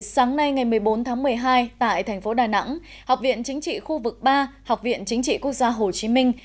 sáng nay ngày một mươi bốn tháng một mươi hai tại thành phố đà nẵng học viện chính trị khu vực ba học viện chính trị quốc gia hồ chí minh